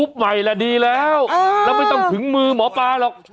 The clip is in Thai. ใหม่แหละดีแล้วแล้วไม่ต้องถึงมือหมอปลาหรอก